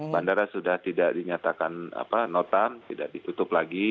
bandara sudah tidak dinyatakan notam tidak ditutup lagi